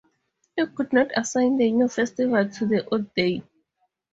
It could not assign the new festival to the old day.